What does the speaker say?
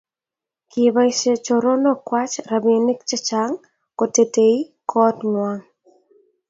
kiboisie chorokwach robinik chechang kotetei kootng'wany